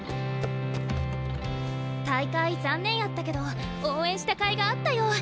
大会残念やったけど応援したかいがあったよ。